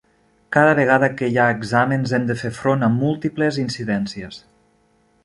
Cada vegada que hi ha exàmens hem de fer front a múltiples incidències.